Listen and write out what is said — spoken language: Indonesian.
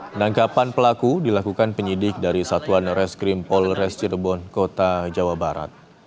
penangkapan pelaku dilakukan penyidik dari satuan reskrim polres cirebon kota jawa barat